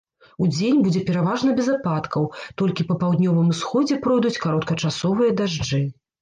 Удзень будзе пераважна без ападкаў, толькі па паўднёвым усходзе пройдуць кароткачасовыя дажджы.